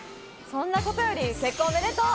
そんなことより結婚おめでとう！